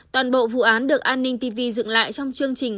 toàn bộ vụ án được an ninh tv dựng lại trong chương trình